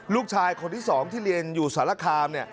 ลูกชายคนที่๒ที่เรียนอยู่สารคาม